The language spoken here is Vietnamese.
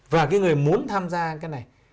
và cái người muốn tham gia cái này